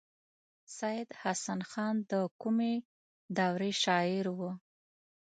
سید حسن خان د کومې دورې شاعر و.